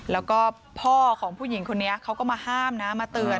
แล้วก็พ่อของผู้หญิงคนนี้เขาก็มาห้ามนะมาเตือน